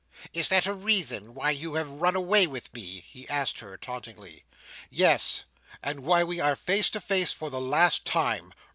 "Is that a reason why you have run away with me?" he asked her, tauntingly. "Yes, and why we are face to face for the last time.